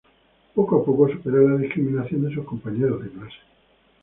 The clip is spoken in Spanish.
Poco a poco supera la discriminación de sus compañeros de clase.